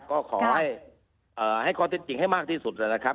ก็ขอให้เอ่อให้ข้อเต็มจริงให้มากที่สุดเลยนะครับ